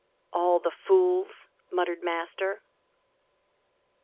"All the fools," muttered Master.